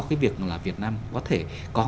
cái việc là việt nam có thể có